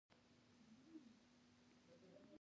نورستان د افغانستان د ځمکې د جوړښت یوه ښه نښه ده.